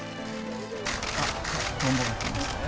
あっ、トンボが来ましたよ。